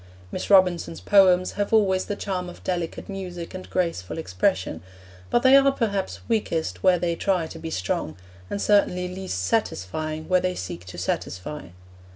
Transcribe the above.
Miss Robinson's poems have always the charm of delicate music and graceful expression; but they are, perhaps, weakest where they try to be strong, and certainly least satisfying where they seek to satisfy.